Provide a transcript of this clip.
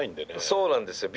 そうなんですよ